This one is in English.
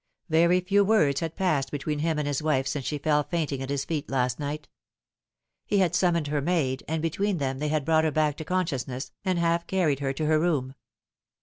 Very few words had passed between him and his wife since she fell fainting at his feet last night. He had summoned her maid, and between them they had brought her back to consciousness, and half carried her to her room.